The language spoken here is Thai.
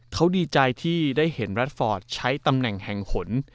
เขาดีใจที่ได้เห็นแรดฟอร์ตใช้ตำแหน่งแห่งหน